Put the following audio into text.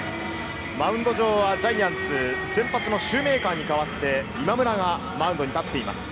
マウンド上はジャイアンツ先発のシューメーカーに代わって、今村がマウンドに立っています。